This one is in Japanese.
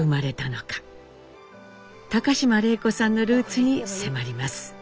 高島礼子さんのルーツに迫ります。